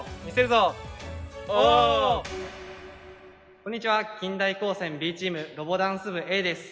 こんにちは近大高専Ｂチーム「ロボダンス部Ａ」です。